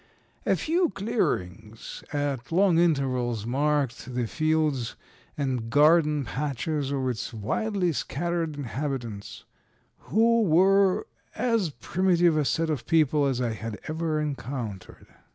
A few clearings at long intervals marked the fields and garden patches of its widely scattered inhabitants, who were as primitive a set of people as I had ever encountered.